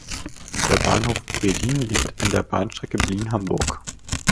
Der Bahnhof "Breddin" liegt an der Bahnstrecke Berlin–Hamburg.